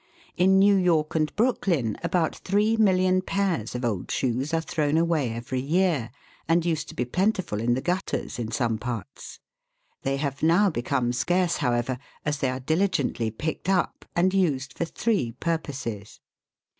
In New York and Brooklyn about three million pairs of old shoes are thrown away every year, and used to be plentiful in the gutters in some parts. They have now become scarce, however, as they are diligently picked up, and used for three purposes.